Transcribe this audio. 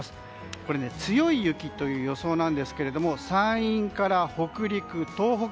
これ、強い雪という予想なんですが山陰から北陸、東北